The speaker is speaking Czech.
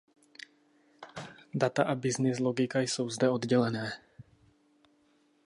Data a business logika jsou zde oddělené.